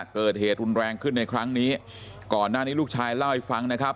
เกิดเหตุรุนแรงขึ้นในครั้งนี้ก่อนหน้านี้ลูกชายเล่าให้ฟังนะครับ